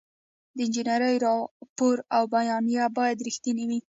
د انجینر راپور او بیانیه باید رښتینې وي.